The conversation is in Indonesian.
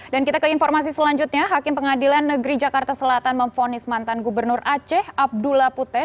dan kita ke informasi selanjutnya hakim pengadilan negeri jakarta selatan memfonis mantan gubernur aceh abdullah putih